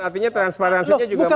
artinya transparansinya juga masuk ya